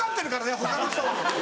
他の人は。